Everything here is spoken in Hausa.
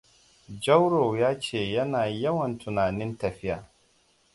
Jauro ya ce yana yawan tunanin tafiya.